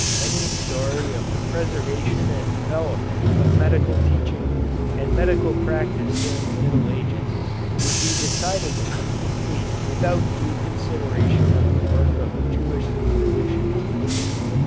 Any story of the preservation and development of medical teaching and medical practice during the Middle Ages would be decidedly incomplete without due consideration of the work of Jewish physicians.